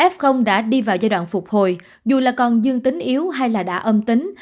f đã đi vào giai đoạn phục hồi dù là còn dương tính yếu hay là đã âm tính